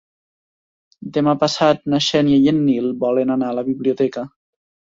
Demà passat na Xènia i en Nil volen anar a la biblioteca.